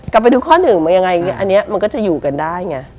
ไปดูข้อหนึ่งมายังไงอันนี้มันก็จะอยู่กันได้ไง